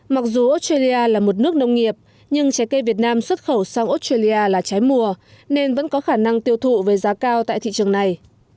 mặc dù australia là một nước nông nghiệp nhưng trái cây việt nam xuất khẩu sang australia là trái mùa nên vẫn có khả năng tiêu thụ với giá cao tại thị trường này